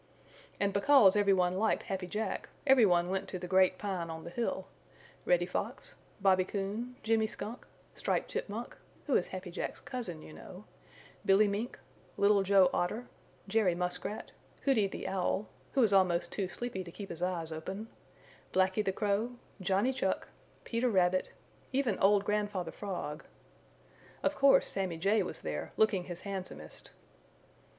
And because every one liked Happy Jack every one went to the Great Pine on the hill Reddy Fox, Bobby Coon, Jimmy Skunk Striped Chipmunk, who is Happy Jack's cousin you know, Billy Mink, Little Joe Otter, Jerry Muskrat, Hooty the Owl, who was almost too sleepy to keep his eyes open, Blacky the Crow, Johnny Chuck, Peter Rabbit, even old Grandfather Frog. Of course Sammy Jay was there, looking his handsomest.